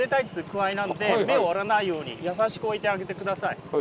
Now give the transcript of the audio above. っつうくわいなので芽を折らないように優しく置いてあげて下さい。